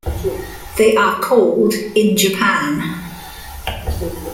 They are called in Japan.